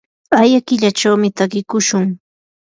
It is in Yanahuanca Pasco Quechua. aya killachawmi takiykushun.